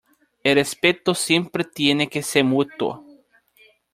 El respeto siempre tiene que ser mutuo.